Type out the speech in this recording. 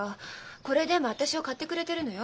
これでも私を買ってくれてるのよ。